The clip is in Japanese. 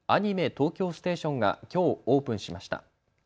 東京ステーションがきょうオープンしました。